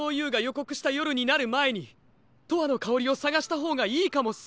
こくしたよるになるまえに「とわのかおり」をさがしたほうがいいかもっす。